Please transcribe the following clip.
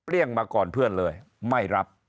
มาก่อนเพื่อนเลยไม่รับ